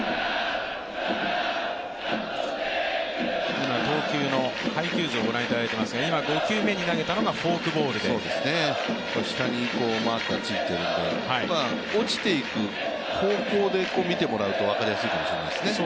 今、投球の配球図をご覧いただいていますが、今５球目に投げたのがフォークボールで下にマークがついてるので、落ちていく方向で見てもらうと分かりやすいかもしれないですね。